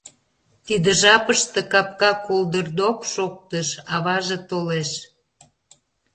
Тиде жапыште капка колдырдок! шоктыш: аваже толеш.